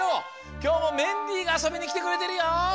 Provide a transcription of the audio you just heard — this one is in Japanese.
きょうもメンディーがあそびにきてくれてるよ！